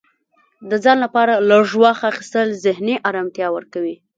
د ځان لپاره لږ وخت اخیستل ذهني ارامتیا ورکوي.